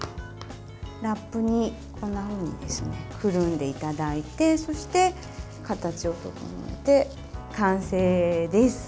ラップにくるんでいただいてそして、形を整えて完成です。